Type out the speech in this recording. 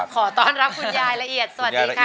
ขอต้อนรับคุณยายละเอียดสวัสดีค่ะ